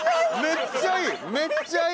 めっちゃいい！